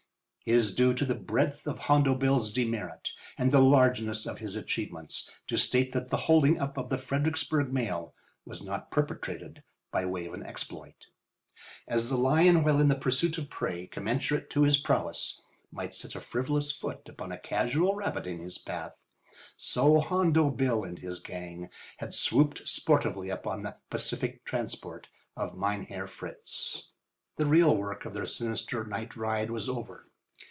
It is due to the breadth of Hondo Bill's demerit and the largeness of his achievements to state that the holding up of the Fredericksburg mail was not perpetrated by way of an exploit. As the lion while in the pursuit of prey commensurate to his prowess might set a frivolous foot upon a casual rabbit in his path, so Hondo Bill and his gang had swooped sportively upon the pacific transport of Meinherr Fritz. The real work of their sinister night ride was over.